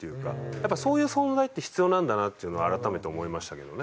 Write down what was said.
やっぱそういう存在って必要なんだなっていうのは改めて思いましたけどね。